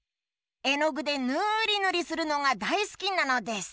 えのぐでぬりぬりするのがだいすきなのです。